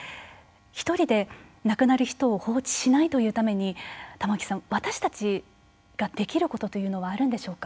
ひとり亡くなる人を放置しないというために玉置さん、私たちができることというのはあるのでしょうか。